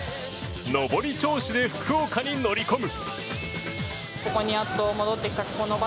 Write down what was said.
上り調子で福岡に乗り込む。